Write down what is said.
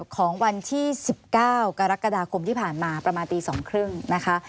ของวันที่๑๙กรกฎาคมที่ผ่านมาประมาณตี๒๓๐นะคะ